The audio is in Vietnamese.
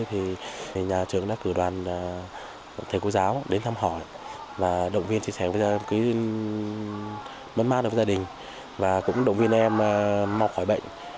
thì nhà trường đã cử đoàn thầy cô giáo đến thăm họ và động viên chia sẻ với gia đình và cũng động viên em mọc khỏi bệnh